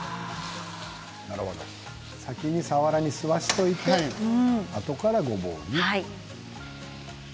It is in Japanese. なるほど先にさわらに吸わせておいてあとからごぼうね。